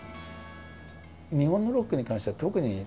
日本のロックに関しては特に。